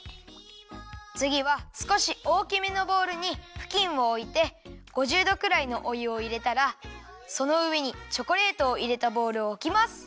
つぎはすこしおおきめのボウルにふきんをおいて５０どくらいのおゆをいれたらそのうえにチョコレートをいれたボウルをおきます。